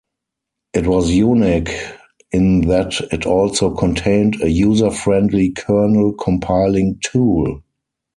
It was unique in that it also contained a user-friendly kernel compiling tool.